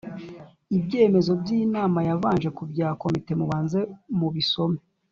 ibyemezo by inama yabanje bya Komite mubanze mubisome